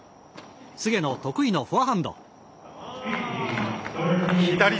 菅野、得意のフォワハンド。